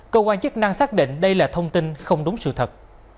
cơ quan chức năng xác định đây là thông tin không đúng sự thật